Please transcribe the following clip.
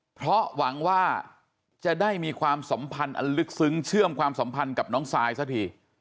เพราะหวังว่าจะได้มีความสัมพันธ์อันลึกซึ้งเชื่อมความสัมพันธ์กับน้องซายซะที